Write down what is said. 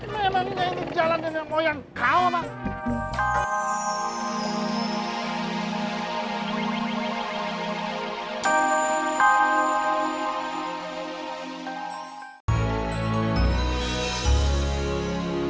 memang ini jalanan yang mau yang kau mak